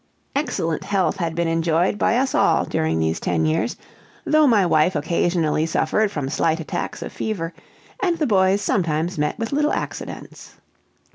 Excellent health had been enjoyed by us all during these ten years, though my wife occasionally suffered from slight attacks of fever, and the boys sometimes met with little accidents.